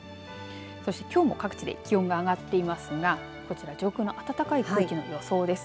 そしてきょうも各地で気温が上がっていますがこちら上空の暖かい空気の予想です。